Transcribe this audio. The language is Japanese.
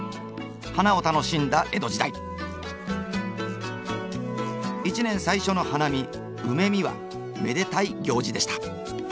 花を楽しんだ江戸時代一年最初の花見梅見はめでたい行事でした。